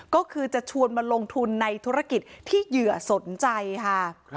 ก็คือจะชวนมาลงทุนในธุรกิจที่เหยื่อสนใจค่ะ